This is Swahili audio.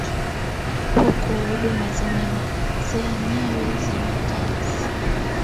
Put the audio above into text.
huku huduma zenyewe za makazi